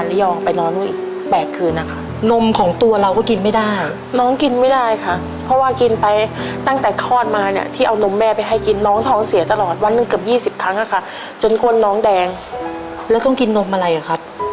แล้วก็กินนมอะไรอ่ะครับ